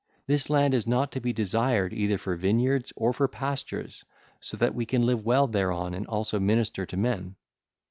This land is not to be desired either for vineyards or for pastures so that we can live well thereon and also minister to men.